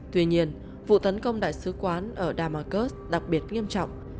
tuy nhiên vụ tấn công đại sứ quán ở damasurs đặc biệt nghiêm trọng